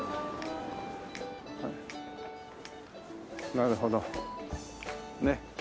なるほどね。